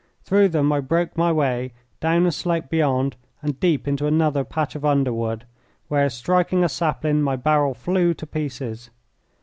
Through them I broke my way, down a slope beyond, and deep into another patch of underwood, where, striking a sapling, my barrel flew to pieces.